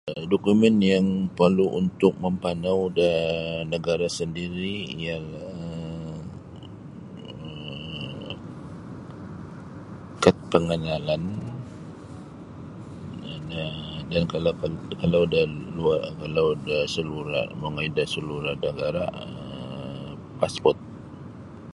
Dokumen yang porlu' untuk mampanau da nagara' sandiri' ialah um kad panganalan dan um kalau kalau da luar da salura' mongoi da salura' nagara' um passport.